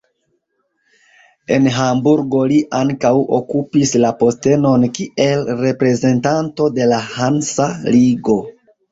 En Hamburgo li ankaŭ okupis la postenon kiel reprezentanto de la Hansa ligo.